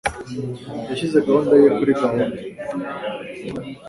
Yashyize gahunda ye kuri gahunda.